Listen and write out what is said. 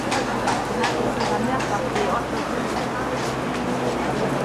Die Halbinsel war mehrfach Drehort für Filmproduktionen.